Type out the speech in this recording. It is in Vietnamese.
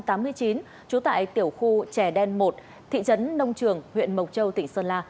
trú tại tiểu khu trẻ đen một thị trấn nông trường huyện mộc châu tỉnh sơn la